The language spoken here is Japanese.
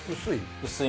薄い。